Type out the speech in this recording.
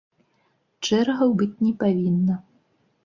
Чэргаў быць не павінна.